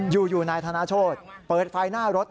อยู่นายธนโชธเปิดไฟหน้ารถ